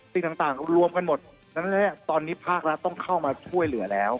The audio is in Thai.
สิ่งต่างรวมกันหมดตอนนี้พลาดแล้วต้องเข้ามาช่วยเหลือแล้ว